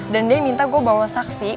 dan dia minta gue bawa saksi